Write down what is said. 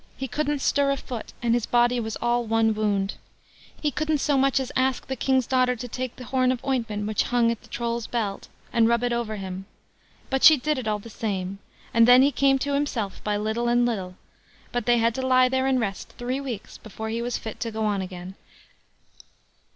He couldn't stir a foot, and his body was all one wound. He couldn't so much as ask the King's daughter to take the horn of ointment which hung at the Troll's belt, and rub it over him. But she did it all the same, and then he came to himself by little and little; but they had to lie there and rest three weeks before he was fit to go on again.